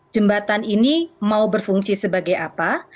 jembatan ini mau berfungsi sebagai apa